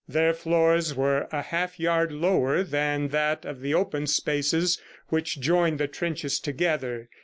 Their floors were a half yard lower than that of the open spaces which joined the trenches together.